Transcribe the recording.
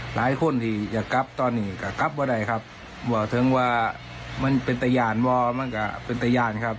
หลายคนที่จะกลับตอนนี้ก็กลับว่าได้ครับว่อถึงว่ามันเป็นตะยานวอมันก็เป็นตะยานครับ